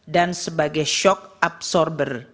dan sebagai shock absorber